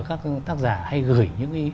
các tác giả hay gửi